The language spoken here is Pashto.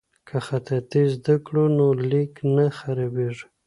که خطاطي زده کړو نو لیک نه خرابیږي.